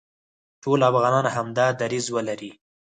ټول افغانان همدا دریځ ولري،